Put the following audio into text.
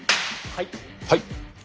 はい。